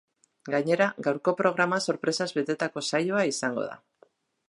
Gainera, gaurko programa sorpresaz betetako saioa izango da.